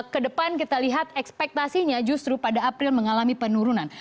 kedepan kita lihat ekspektasinya justru pada april mengalami penurunan